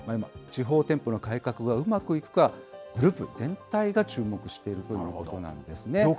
地方店舗の改革がうまくいくか、グループ全体が注目しているということなんですね。